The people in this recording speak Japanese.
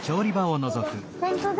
ほんとだ。